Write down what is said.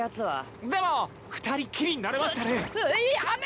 でも二人っきりになれましたね！